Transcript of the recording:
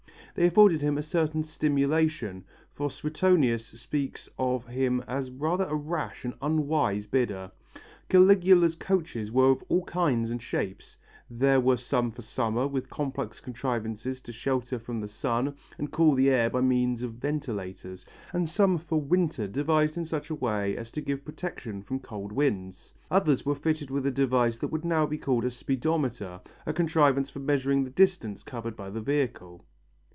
They afforded him a certain stimulation, for Suetonius speaks of him as rather a rash and unwise bidder. Caligula's coaches were of all kinds and shapes, there were some for summer with complex contrivances to shelter from the sun and cool the air by means of ventilators, and some for winter devised in such a way as to give protection from cold winds. Others were fitted with a device that would now be called a speedometer, a contrivance for measuring the distance covered by the vehicle.